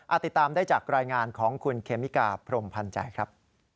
ติดตามได้จากรายงานของคุณเคมิกาพรมพันธ์ใจครับ